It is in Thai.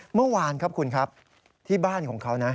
เมื่อวานครับคุณครับที่บ้านของเขานะ